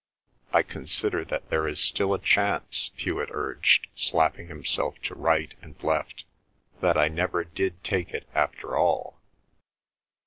"I consider that there is still a chance," Hewet urged, slapping himself to right and left, "that I never did take it after all."